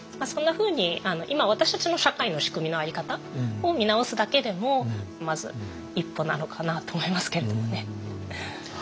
そんなふうに今私たちの社会の仕組みのあり方を見直すだけでもまず一歩なのかなと思いますけれどもね。